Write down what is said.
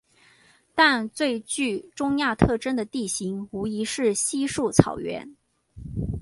但最具中亚特征的地形无疑是稀树草原。